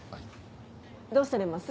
どうされます？